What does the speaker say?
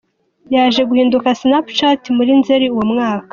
Yaje guhinduka Snapchat muri Nzeri uwo mwaka.